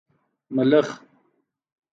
🦗 ملخ